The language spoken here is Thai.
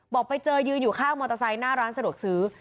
บอกไปเจอยืนอยู่ข้างมอเตอร์ไซค์หน้าร้านสะดวกซื้อ